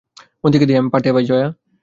মতিকে দিয়ে আমি পা টেপাই জয়া।